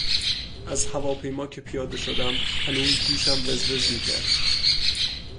از هواپیما که پیاده شدم هنوز گوشم وز وز میکرد.